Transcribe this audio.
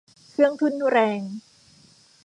เครื่องทุ่นแรง